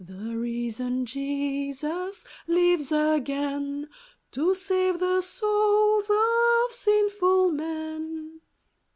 " The risen Jesus lives again, To save the souls of sinful men.